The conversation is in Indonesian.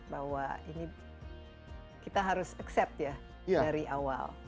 bahwa ini kita harus accept ya dari awal